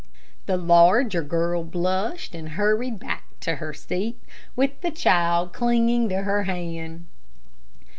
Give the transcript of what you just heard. The larger girl blushed and hurried back to her seat, with the child clinging to her hand.